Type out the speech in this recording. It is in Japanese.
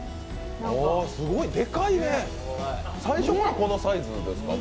でかいね最初っからこのサイズですか。